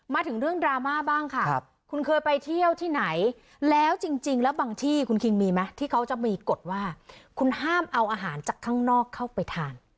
มาถึงเรื่องดราม่าบ้างค่ะคุณเคยไปเที่ยวที่ไหนแล้วจริงแล้วบางที่คุณคิงมีไหมที่เขาจะมีกฎว่าคุณห้ามเอาอาหารจากข้างนอกเข้าไปทาน